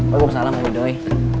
waalaikumsalam om idoi